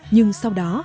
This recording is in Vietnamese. nhưng sau đó